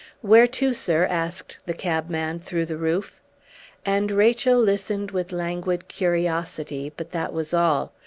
"Where to, sir?" asked the cabman through the roof. And Rachel listened with languid curiosity; but that was all.